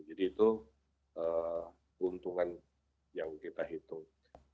itu keuntungan yang kita hitung